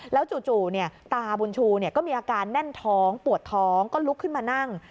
แล้วจู่ตาบุญชูก็มีอาการแน่นท้องปวดท้องก็ลุกขึ้นมานั่ง